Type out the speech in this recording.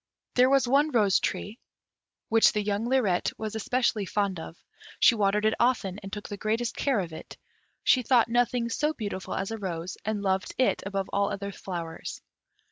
There was one rose tree, which the young Lirette was especially fond of; she watered it often, and took the greatest care of it; she thought nothing so beautiful as a rose, and loved it above all other flowers.